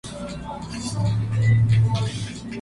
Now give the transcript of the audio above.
Napoleón, pernoctó aquí.